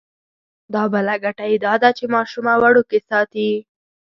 دا بله ګټه یې دا ده چې ماشومه وړوکې ساتي.